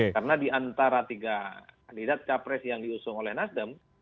karena di antara tiga kandidat capres yang diusung oleh nasdem